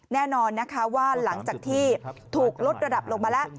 แน่นอนนะคะว่าหลังจากที่ถูกลดระดับลงมาแล้ว